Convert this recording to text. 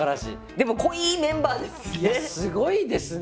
でも濃いメンバーですね。